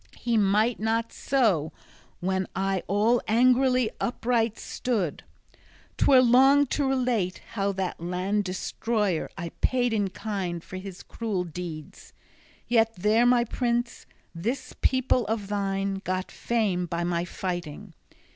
He might not so, when I all angrily upright stood. 'Twere long to relate how that land destroyer I paid in kind for his cruel deeds; yet there, my prince, this people of thine got fame by my fighting.